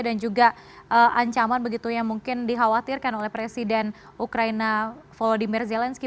dan juga ancaman begitu yang mungkin dikhawatirkan oleh presiden ukraina volodymyr zelensky